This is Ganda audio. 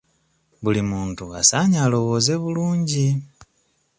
Buli muntu asaanye alowooze bulungi.